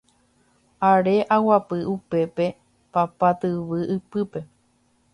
Are aguapy upépe papa tyvy ypýpe